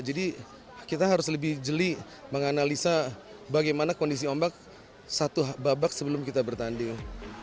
jadi kita harus lebih jeli menganalisa bagaimana kondisi ombak satu babak sebelum kita bertanding